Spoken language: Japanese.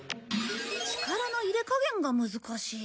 力の入れ加減が難しい。